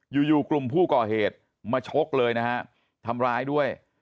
อยู่อยู่กลุ่มผู้ก่อเหตุมาชกเลยนะฮะทำร้ายด้วย